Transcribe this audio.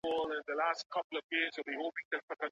مرستې به دوام وکړي؟